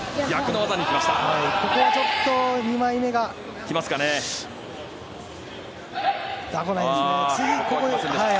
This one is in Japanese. ここはちょっと２枚目が来ますかね。